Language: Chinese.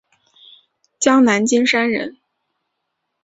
江南金山人。